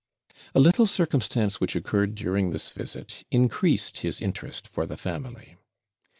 A little circumstance which occurred during this visit increased his interest for the family.